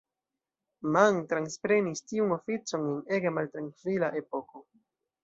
Mann transprenis tiun oficon en ege maltrankvila epoko.